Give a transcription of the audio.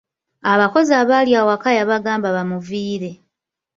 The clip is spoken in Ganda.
Abakozi abaali awaka yabagamba bamuviire.